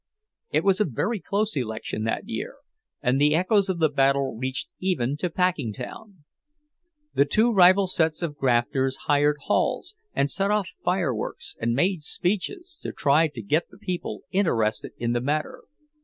It was a very close election that year, and the echoes of the battle reached even to Packingtown. The two rival sets of grafters hired halls and set off fireworks and made speeches, to try to get the people interested in the matter.